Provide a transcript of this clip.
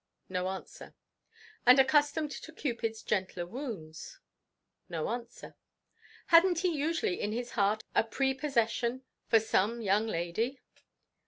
No answer. And accustomed to Cupid's gentler wounds? No answer. Hadn't he usually in his heart a prepossession for some young lady?